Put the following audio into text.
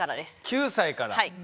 ９歳から。